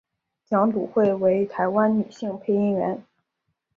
蒋笃慧为台湾女性配音员。